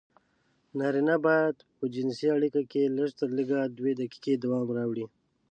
نارينه بايد په جنسي اړيکه کې لږترلږه دوې دقيقې دوام راوړي.